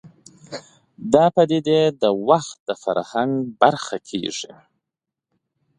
دا پدیدې د دور فرهنګ برخه کېږي